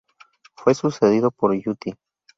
Fue sucedido por Uti.